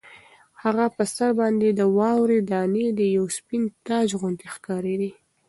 د هغه په سر باندې د واورې دانې د یوه سپین تاج غوندې ښکارېدې.